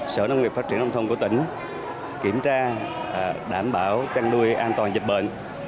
sở nông nghiệp phát triển nông thôn của tỉnh kiểm tra đảm bảo chăn nuôi an toàn dịch bệnh